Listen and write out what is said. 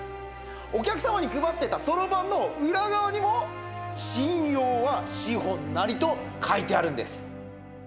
お客様に配っていたそろばんの裏側にも「信用は資本なり」と書いてあるんです。